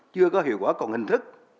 chưa có hiệu quả còn hình thức